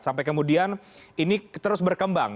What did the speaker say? sampai kemudian ini terus berkembang